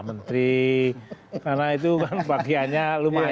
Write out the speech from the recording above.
karena itu kan bagiannya lumayan